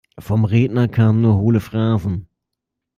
Vom Redner kamen nur hohle Phrasen.